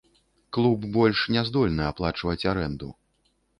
Клуб больш не здольны аплачваць арэнду.